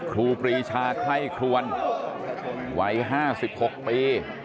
ครูปริชาไข้ครวนวัยห้าสิบหกปี